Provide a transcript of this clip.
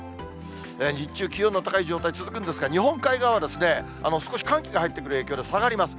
日中、気温の高い状態続くんですが、日本海側は少し寒気が入ってくる影響で下がります。